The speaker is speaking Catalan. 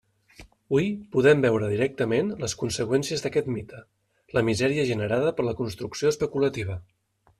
Hui podem veure directament les conseqüències d'aquest mite: la misèria generada per la construcció especulativa.